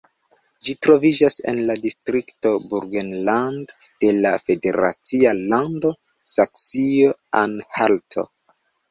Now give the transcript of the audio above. Ĝi troviĝas en la distrikto Burgenland de la federacia lando Saksio-Anhalto.